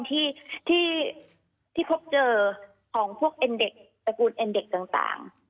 ที่พบเจอของพวกเอ็นเด็กตระกูลเอ็นเด็กต่าง